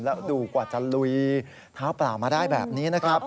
แล้วดูกว่าจะลุยเท้าเปล่ามาได้แบบนี้นะครับ